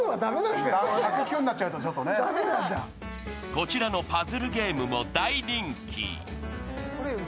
こちらのパズルゲームも大人気。